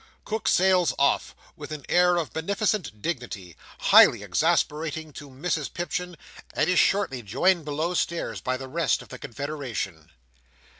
Cook sails off with an air of beneficent dignity, highly exasperating to Mrs Pipchin, and is shortly joined below stairs by the rest of the confederation.